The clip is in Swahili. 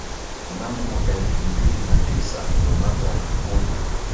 Mnamo mwaka elfu mbili na tisa Ronaldo alikuwa